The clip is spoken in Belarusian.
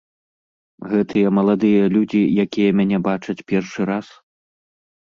Гэтыя маладыя людзі, якія мяне бачаць першы раз?